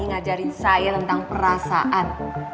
ngajarin saya tentang perasaan